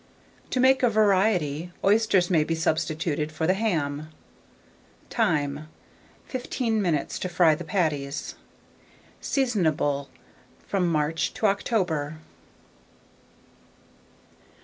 To make a variety, oysters may be substituted for the ham. Time. 15 minutes to fry the patties. Seasonable from March to October.